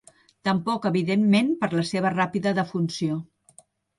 Tampoc, evidentment, per la seva ràpida defunció.